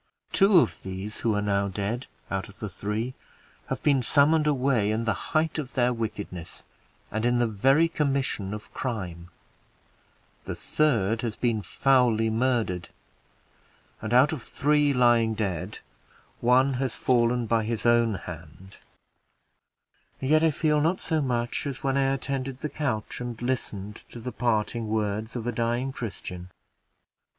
Two of these who are now dead, out of the three, have been, summoned away in the height of their wickedness, and in the very commission of crime; the third has been foully murdered, and out of three lying dead, one has fallen by my own hand, and yet I feel not so much as when I attended the couch, and listened to the parting words of a dying Christian!